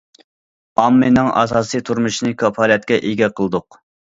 ئاممىنىڭ ئاساسىي تۇرمۇشىنى كاپالەتكە ئىگە قىلدۇق.